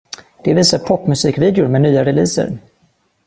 Det visar popmusikvideor med nya releaser.